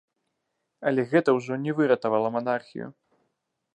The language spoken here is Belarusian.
Але гэта ўжо не выратавала манархію.